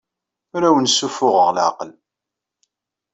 Ur awen-ssuffuɣeɣ leɛqel.